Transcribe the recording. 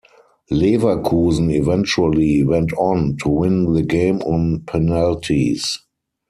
Leverkusen eventually went on to win the game on penalties.